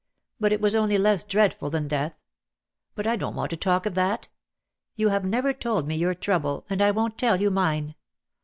But it was only less dreadful than death. But I don't want to talk of that. You have never told me your trouble, and I won't tell you mine.